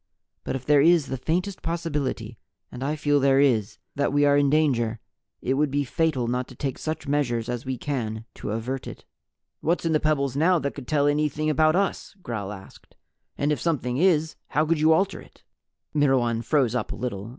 But if there is the faintest possibility and I feel there is that we are in danger, it would be fatal not to take such measures as we can to avert it." "What's in the pebbles now that could tell anything about us?" Gral asked. "And if something is, how could you alter it?" Myrwan froze up a little.